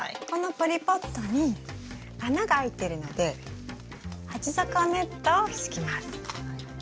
このポリポットに穴が開いてるので鉢底ネットを敷きます。